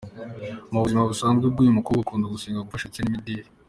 Mu buzima busanzwe bw’uyu mukobwa akunda gusenga, gufasha ndetse n’imideli.